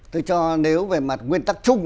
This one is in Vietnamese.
tôi cho nếu về mặt nguyên tắc chung